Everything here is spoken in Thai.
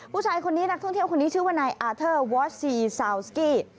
ผู้ชายคนนี้นักท่องเที่ยวคนนี้ชื่อว่านายอาเทอร์วอสซีซาวสกี้